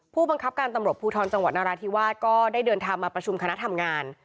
ผู้บังคับการตำรวจภูทรจังหวัดนราธิวาสก็ได้เดินทางมาประชุมคณะทำงาน